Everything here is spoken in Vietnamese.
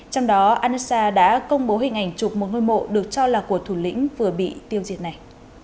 trong đó anasa đã công bố hình ảnh chụp một ngôi mộ được cho là của thủ lĩnh vừa bị tiêu diệt này